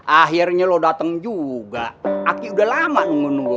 akhirnya lo datang juga aki udah lama nunggu nunggu